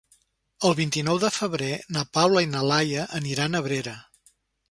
El vint-i-nou de febrer na Paula i na Laia aniran a Abrera.